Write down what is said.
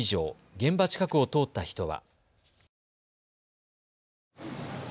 現場近くを通った人は。